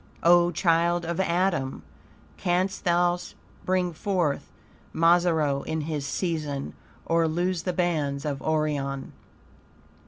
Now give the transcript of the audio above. O child of Adam! "Canst thou bring forth Mazzaroth in his season? or loose the bands of Orion?"